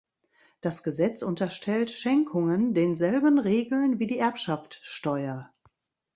Das Gesetz unterstellt Schenkungen denselben Regeln wie die Erbschaftsteuer.